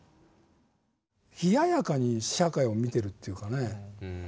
冷ややかに社会を見てるというかね。